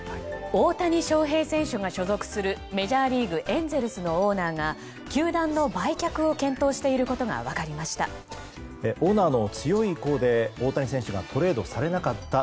大谷翔平選手が所属するメジャーリーグエンゼルスのオーナーが球団の売却を検討していることが分かりました。